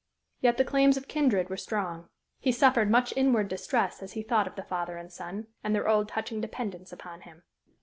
Yet the claims of kindred were strong. He suffered much inward distress as he thought of the father and son, and their old touching dependence upon him.